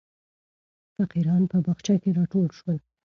فقیران په باغچه کې راټول شول.